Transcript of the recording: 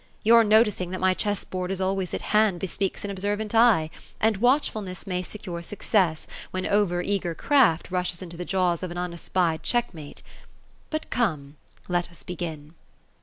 Your noticing that my chess board is always at hand, bespeaks an observant eye ; and watchfulness may secure success, when over eager craft rushes into the jaws of an unespied check mate. But eome ; let us begin."